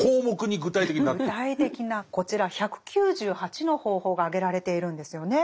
具体的なこちら１９８の方法が挙げられているんですよね。